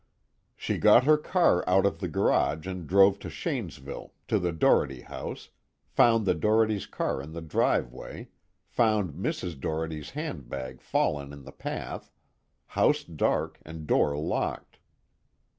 "She got her car out of the garage and drove to Shanesville, to the Doherty house, found the Dohertys' car in the driveway, found Mrs. Doherty's handbag fallen in the path, house dark and door locked.